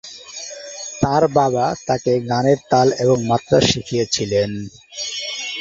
তার বাবা তাকে গানের তাল এবং মাত্রা শিখিয়েছিলেন।